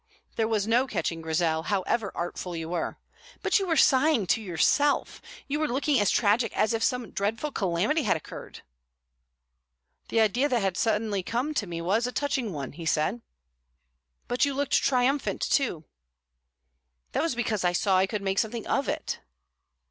(There was no catching Grizel, however artful you were.) "But you were sighing to yourself, you were looking as tragic as if some dreadful calamity had occurred " "The idea that had suddenly come to me was a touching one," he said. "But you looked triumphant, too." "That was because I saw I could make something of it."